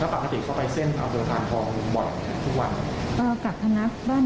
ตกใจมั้ยเหตุการณ์ที่เกิดขึ้นเมื่อวาน